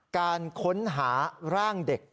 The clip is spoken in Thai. การค้นหาร่างเด็ก